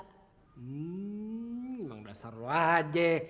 hmm emang udah seru aja